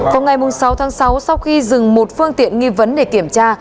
vào ngày sáu tháng sáu sau khi dừng một phương tiện nghi vấn để kiểm tra